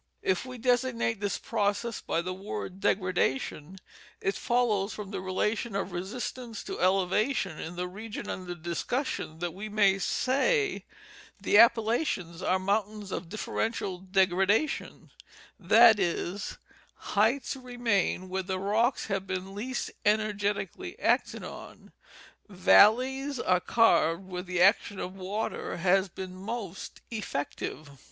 If we designate this process by the word " degradation," it follows from the relation of resistance to elevation in the region under discussion that we may say : The Appalachians are moun tains of differential degradation ; that is, heights remain where '296 National Geographic Magazine. the rocks have been least energetically acted on, valleys are carved where the action of water has been most effective.